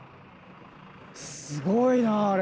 すごいなあれ。